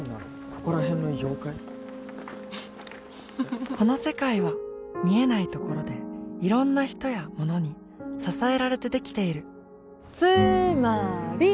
この世界は見えないところでいろんな人やものに支えられてできているつーまーり！